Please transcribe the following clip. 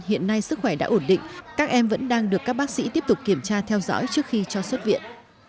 hiện nay sức khỏe đã ổn định các em vẫn đang được các bác sĩ tiếp tục kiểm tra theo dõi trước khi cho xuất viện